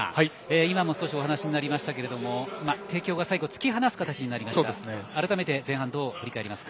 今もお話になりましたが帝京が突き放す形になりましたが改めて前半をどう振り返りますか？